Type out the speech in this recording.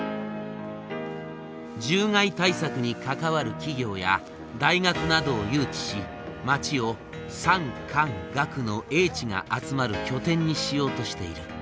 獣害対策に関わる企業や大学などを誘致し町を産官学の英知が集まる拠点にしようとしている。